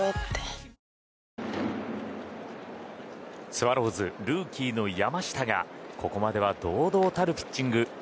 スワローズ、ルーキーの山下がここまで堂々たるピッチング。